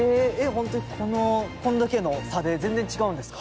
本当にこのこんだけの差で全然違うんですか？